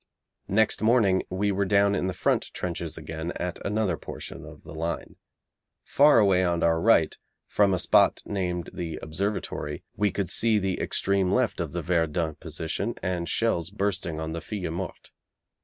Next morning we were down in the front trenches again at another portion of the line. Far away on our right, from a spot named the Observatory, we could see the extreme left of the Verdun position and shells bursting on the Fille Morte.